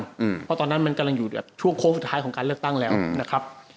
เพราะตอนนั้นมันกำลังอยู่ในช่วงโค้งสุดท้ายของการเลือกตั้งแล้วนะครับ